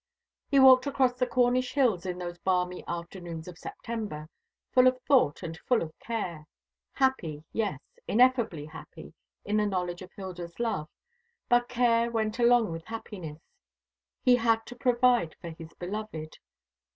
He walked across the Cornish hills in those balmy afternoons of September, full of thought and full of care; happy, yes, ineffably happy in the knowledge of Hilda's love; but care went along with happiness. He had to provide for his beloved.